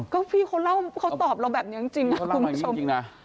ก็พี่เขาเล่าเขาตอบเราแบบนี้จริงจริงนะพี่เขาเล่าแบบนี้จริงจริงนะ